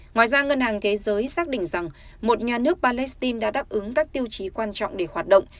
ngoài ra ngân hàng thế giới xác định rằng một nhà nước palestine đã đáp ứng các tiêu chí quan trọng để hoạt động